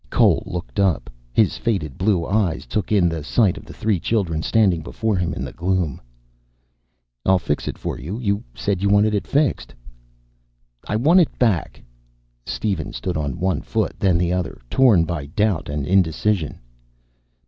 Cole looked up. His faded blue eyes took in the sight of the three children standing before him in the gloom. "I'll fix it for you. You said you wanted it fixed." "I want it back." Steven stood on one foot, then the other, torn by doubt and indecision.